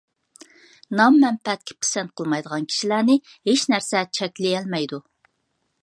نام ـ مەنپەئەتكە پىسەنت قىلمايدىغان كىشىلەرنى ھېچ نەرسە چەكلىيەلمەيدۇ،